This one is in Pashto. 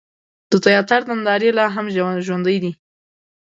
د تیاتر نندارې لا هم ژوندۍ دي.